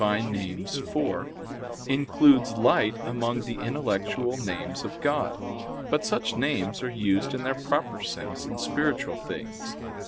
Nom. iv) includes Light among the intellectual names of God. But such names are used in their proper sense in spiritual things.